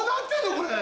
これ！